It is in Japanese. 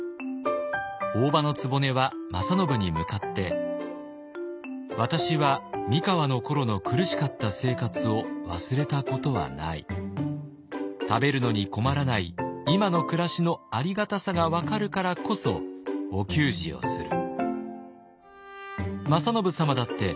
大姥局は正信に向かって「私は三河の頃の苦しかった生活を忘れたことはない。食べるのに困らない今の暮らしのありがたさが分かるからこそお給仕をする」。